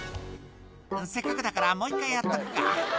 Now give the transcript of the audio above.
せっかくだから、もう一回やっとくか。